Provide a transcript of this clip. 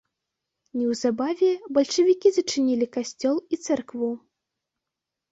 Неўзабаве бальшавікі зачынілі касцёл і царкву.